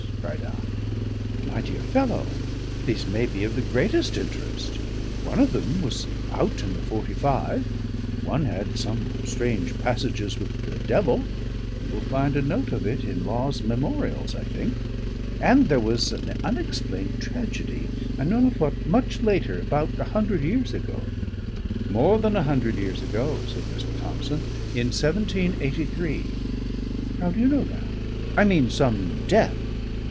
cried I. "My dear fellow, these may be of the greatest interest. One of them was out in the 'Forty five; one had some strange passages with the devil you will find a note of it in Law's 'Memorials,' I think; and there was an unexplained tragedy, I know not what, much later, about a hundred years ago " "More than a hundred years ago," said Mr. Thomson. "In 1783." "How do you know that? I mean some death."